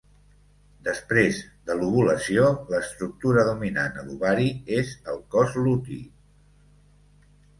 Després de l'ovulació l'estructura dominant a l'ovari és el cos luti.